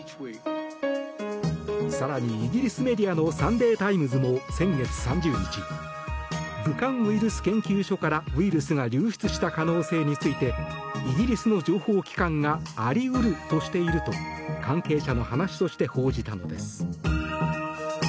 更にイギリスメディアのサンデー・タイムズも先月３０日武漢ウイルス研究所からウイルスが流出した可能性についてイギリスの情報機関があり得るとしていると関係者の話として報じたのです。